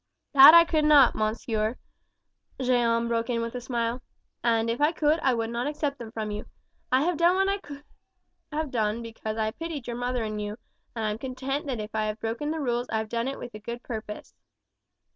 "That I could not, monsieur," Jeanne broke in with a smile; "and if I could I would not accept them from you. I have done what I have done because I pitied your mother and you, and I am content that if I have broken the rules I have done it with a good purpose."